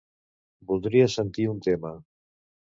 Voldria sentir un tema.